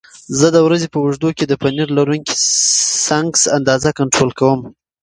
زه د ورځې په اوږدو کې د پنیر لرونکي سنکس اندازه کنټرول کوم.